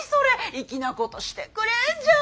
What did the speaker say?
粋なことしてくれんじゃん！